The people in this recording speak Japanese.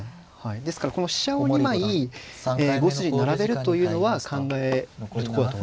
ですからこの飛車を２枚５筋に並べるというのは考えるとこだと思いますね。